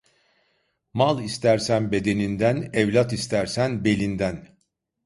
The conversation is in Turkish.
Mal istersen bedeninden, evlat istersen belinden.